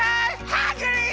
ハングリー！